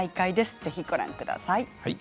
ぜひご覧ください。